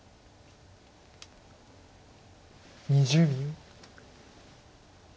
２０秒。